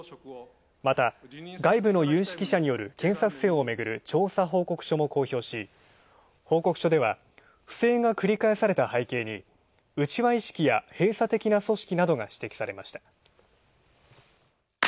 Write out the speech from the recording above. また、外部の有識者による検査不正をめぐる調査報告書も公表し、報告書では不正が繰り返された背景に内輪意識や閉鎖的な組織などが指摘されました。